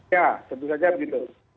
ya tentu saja begitu